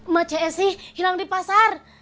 ma cesi hilang di pasar